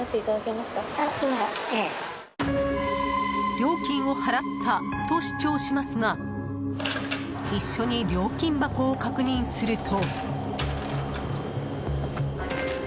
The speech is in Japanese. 料金を払ったと主張しますが一緒に料金箱を確認すると。